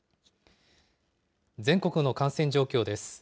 全国の感染状況です。